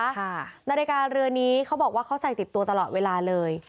นาฬิกาเรือนี้เขาบอกว่าเขาใส่ติดตัวตลอดเวลาเลย